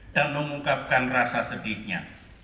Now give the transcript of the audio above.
dan mengungkapkan rasa sedihnya